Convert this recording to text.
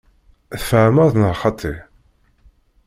Tfehmeḍ neɣ xaṭi?